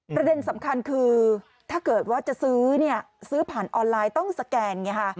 ประเด็นน้อยสำคัญคือถ้าเกิดว่าจะซื้อซื้อผ่านออนไลน์ต้องสแกน